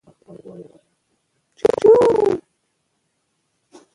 د لیکوالي تمرین د ذهن روزنه او د تخلیق پراخوالی تضمینوي.